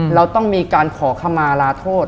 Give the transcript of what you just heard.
เราต้องมีการขอคำมาลาโทษ